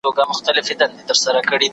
چوروندک له خوشالیه په ګډا سو